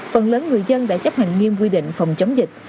phần lớn người dân đã chấp hành nghiêm quy định phòng chống dịch